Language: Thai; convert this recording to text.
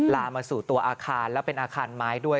ลามาสู่ตัวอาคารแล้วเป็นอาคารไม้ด้วย